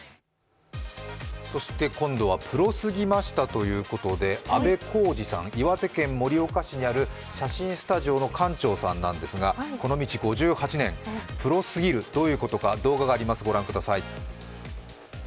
そして今度は、プロすぎましたということで阿部公司さん、岩手県盛岡市にある写真スタジオの館長さんなんですがこの道５８年、プロすぎる、どういうことか動画があります、ご覧ください。